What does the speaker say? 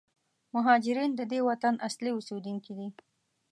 مهارجرین د دې وطن اصلي اوسېدونکي دي.